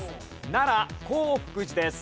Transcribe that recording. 奈良興福寺です。